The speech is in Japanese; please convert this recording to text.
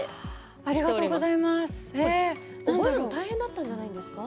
覚えるの大変だったんじゃないですか。